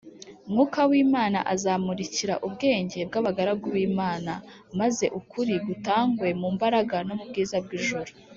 ” mwuka w’imana azamurikira ubwenge bw’abagaragu b’imana, maze ukuri gutangwe mu mbaraga no mu bwiza bw’ijuru